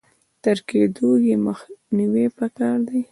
تر کېدونه يې مخنيوی په کار دی.